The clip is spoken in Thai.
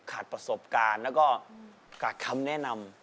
ขาดประสบการณ์แล้วก็ขาดคำแนะนำ